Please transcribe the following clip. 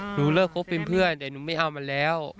หนูเลิกคบเป็นเพื่อนแต่หนูไม่เอามาแล้ว